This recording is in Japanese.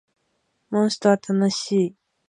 モンストは楽しい